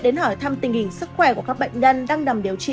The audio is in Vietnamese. đến hỏi thăm tình hình sức khỏe của các bệnh nhân đang nằm điều trị